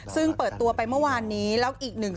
ซึ่งเปิดตัวไปเมื่อวานนี้แล้วอีกหนึ่ง